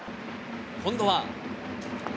今度は。